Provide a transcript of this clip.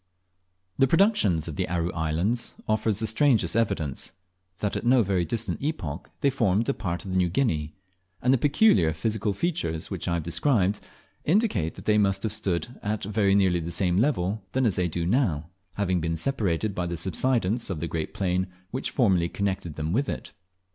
The productions of the Aru Islands offer the strangest evidence, that at no very distant epoch they formed a part of New Guinea; and the peculiar physical features which I have described, indicate that they must have stood at very nearly the same level then as they do now, having been separated by the subsidence of the great plain which formerly connected them with it.